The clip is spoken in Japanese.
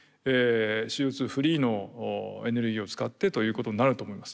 ＣＯフリーのエネルギーを使ってということになると思います。